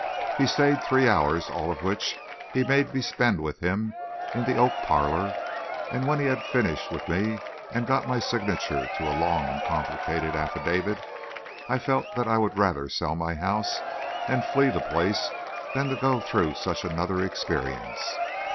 He stayed three hours, all of which he made me spend with him in the oak parlor, and when he had finished with me and got my signature to a long and complicated affidavit, I felt that I would rather sell my house and flee the place than go through such another experience.